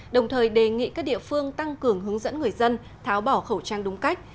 đồng thời đề nghị các địa phương tăng cường hướng dẫn người dân tháo bỏ khẩu trang đúng cách